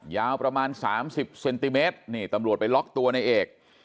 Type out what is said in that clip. ยาวประมาณ๓๐เซนติเมตรนี่ตำรวจไปล็อกตัวในเอก